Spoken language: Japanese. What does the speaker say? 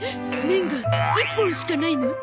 麺が一本しかないの？